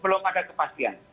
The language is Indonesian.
belum ada kepastian